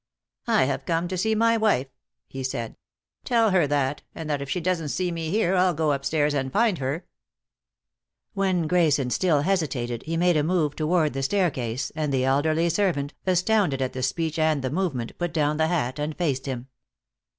"I have come to see my wife," he said. "Tell her that, and that if she doesn't see me here I'll go upstairs and find her." When Grayson still hesitated he made a move toward the staircase, and the elderly servant, astounded at the speech and the movement, put down the hat and faced him.